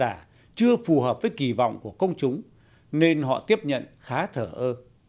các khán giả chưa phù hợp với kỳ vọng của công chúng nên họ tiếp nhận khá thở ơ